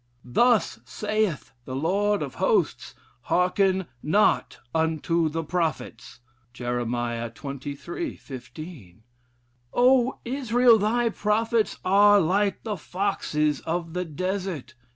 'Thus saith the Lord of Hosts: hearken not unto the prophets.' Jer. xxiii. 15. 'O Israel, thy prophets are like the foxes of the desert.'